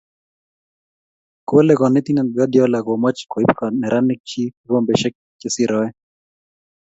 Kole konetinte Guardiola komoch koib neranik chii kikombeshe che sire oeng.